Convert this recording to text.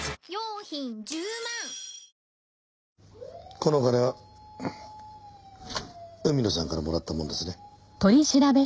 このお金は海野さんからもらったものですね？